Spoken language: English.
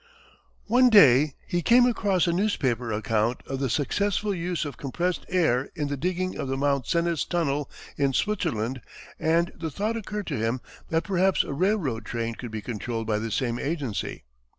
One day he came across a newspaper account of the successful use of compressed air in the digging of the Mont Cenis tunnel, in Switzerland, and the thought occurred to him that perhaps a railroad train could be controlled by the same agency.